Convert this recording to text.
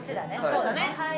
そうだね。